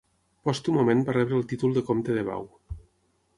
Pòstumament va rebre el títol de comte de Bau.